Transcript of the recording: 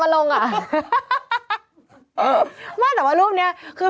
เป็นการกระตุ้นการไหลเวียนของเลือด